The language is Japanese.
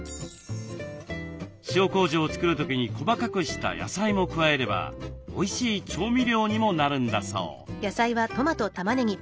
塩こうじを作る時に細かくした野菜も加えればおいしい調味料にもなるんだそう。